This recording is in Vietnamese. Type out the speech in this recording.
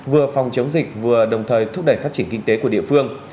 vừa phòng chống dịch vừa đồng thời thúc đẩy phát triển kinh tế của địa phương